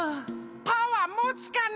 パワーもつかな？